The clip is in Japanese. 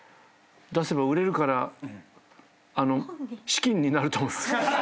出せば売れるからあの資金になると思います。